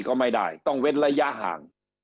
ก็ไม่ได้ต้องเว้นระยะห่าง